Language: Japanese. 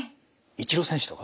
イチロー選手とか？